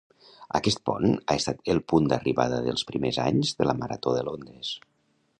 Aquest pont ha estat el punt d'arribada dels primers anys de la Marató de Londres.